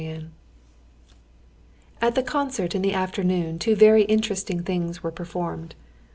Chapter 5 At the concert in the afternoon two very interesting things were performed.